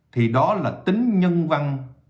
thì đó là tính nhân văn của tổ chức